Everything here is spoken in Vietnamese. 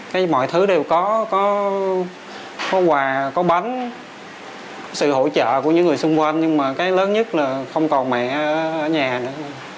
thì mọi thứ đều có quà có bánh sự hỗ trợ của những người xung quanh nhưng mà cái lớn nhất là không còn mẹ ở nhà nữa